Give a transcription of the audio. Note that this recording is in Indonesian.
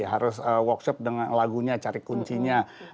harus workshop dengan lagunya cari kuncinya